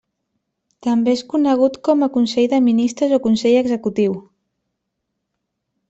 També és conegut com a Consell de Ministres o Consell Executiu.